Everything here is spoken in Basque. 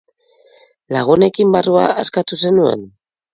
Lagunekin barrua askatu zenuen?